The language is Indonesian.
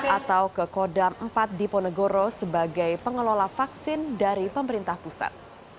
atau ke kodam empat di ponegoro sebagai pengelola vaksin dari pemerintah pusat